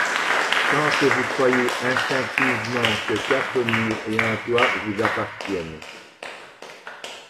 Tant que vous croyez instinctivement que quatre murs et un toit vous appartiennent.